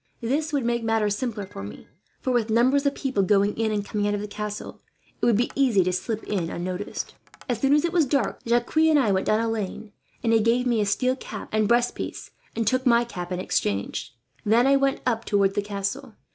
This would make matters simpler for me for, with numbers of people going in and coming out of the castle, it would be easy to slip in unnoticed. "As soon as it was dark, Jacques and I went down a lane; and he gave me his steel cap and breast piece, and took my cap in exchange. Then I went up towards the castle.